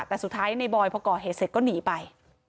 แต่สุดท้ายในบอยพอก่อเหตุเสร็จก็หนีไป